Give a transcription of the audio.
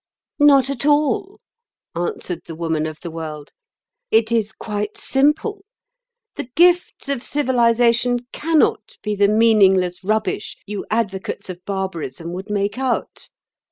"Not at all," answered the Woman of the World; "it is quite simple. The gifts of civilisation cannot be the meaningless rubbish you advocates of barbarism would make out.